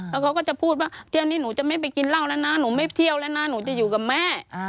แล้วเขาก็จะพูดว่าเที่ยวนี้หนูจะไม่ไปกินเหล้าแล้วนะหนูไม่เที่ยวแล้วนะหนูจะอยู่กับแม่